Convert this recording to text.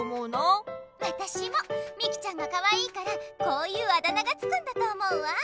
わたしもみきちゃんがかわいいからこういうあだ名がつくんだと思うわ。